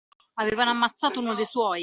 Avevano ammazzato uno dei suoi!